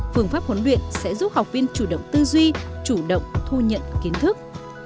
phương pháp huấn luyện sẽ giúp học viên chủ động tư duy chủ động thu nhận kiến thức